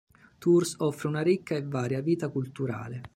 Tours offre una ricca e varia vita culturale.